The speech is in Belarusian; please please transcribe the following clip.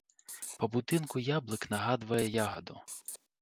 Па будынку яблык нагадвае ягаду.